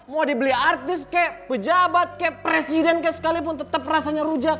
mau dibeli artis kayak pejabat kayak presiden kayak sekalipun tetep rasanya rujak